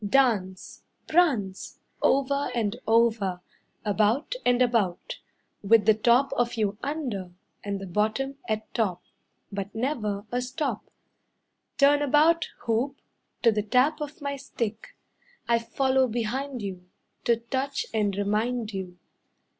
Dance, Prance, Over and over, About and about, With the top of you under, And the bottom at top, But never a stop. Turn about, hoop, to the tap of my stick, I follow behind you To touch and remind you.